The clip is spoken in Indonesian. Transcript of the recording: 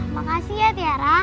makasih ya tiara